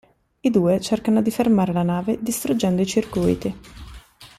I due cercano di fermare la nave distruggendo i circuiti.